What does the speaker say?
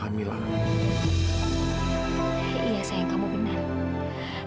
hanya kamu benar